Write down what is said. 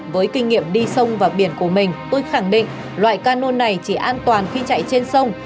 với kinh nghiệm đi sông và biển của mình tôi khẳng định loại cano này chỉ an toàn khi chạy trên sông